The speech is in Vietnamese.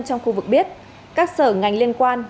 trong khu vực biết các sở ngành liên quan